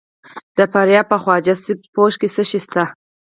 د فاریاب په خواجه سبز پوش کې څه شی شته؟